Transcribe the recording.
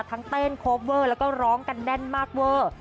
เต้นโคเวอร์แล้วก็ร้องกันแน่นมากเวอร์